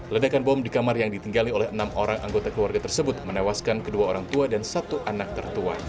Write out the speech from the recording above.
ledakan bom di kamar yang ditinggali oleh enam orang anggota keluarga tersebut menewaskan kedua orang tua dan satu anak tertua